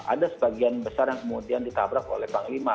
ada sebagian besar yang kemudian ditabrak oleh panglima